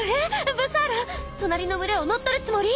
ブサーラ隣の群れを乗っ取るつもり！？